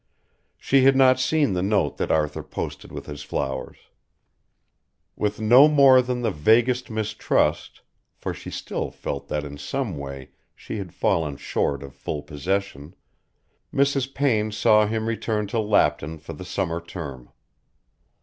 She had not seen the note that Arthur posted with his flowers. With no more than the vaguest mistrust for she still felt that in some way she had fallen short of full possession, Mrs. Payne saw him return to Lapton for the summer term.